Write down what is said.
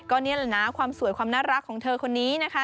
ก็นี่แหละนะความสวยความน่ารักของเธอคนนี้นะคะ